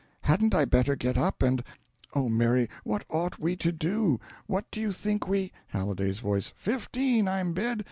Hadn't I better get up and Oh, Mary, what ought we to do? what do you think we " (Halliday's voice. "Fifteen I'm bid!